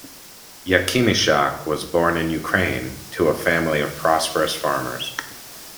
Yakimischak was born in Ukraine, to a family of prosperous farmers.